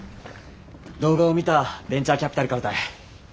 動画を見たベンチャーキャピタルからたい。